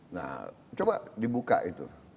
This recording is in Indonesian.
nah coba dibuka itu